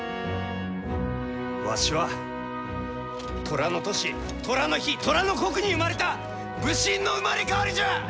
わしは寅の年寅の日寅の刻に生まれた武神の生まれ変わりじゃ！